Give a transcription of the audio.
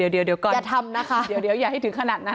เดี๋ยวก่อนอย่าทำนะคะเดี๋ยวอย่าให้ถึงขนาดนั้น